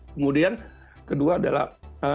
kemudian kedua adalah